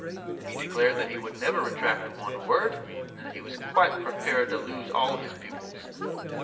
He declared that he would never retract one word, and that he was quite prepared to lose all his pupils.